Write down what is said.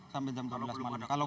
sampai jam dua belas malam